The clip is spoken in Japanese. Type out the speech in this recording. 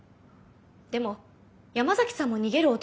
でも山崎さんも「逃げる男」です。